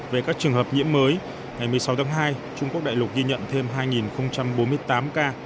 về các trường hợp nhiễm mới ngày một mươi sáu tháng hai trung quốc đại lục ghi nhận thêm hai bốn mươi tám ca